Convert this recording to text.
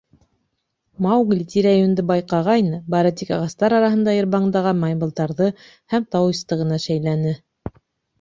Маугли тирә-йүнде байҡағайны, бары тик ағастар араһында йырбандаған маймылдарҙы һәм тауисты ғына шәйләне.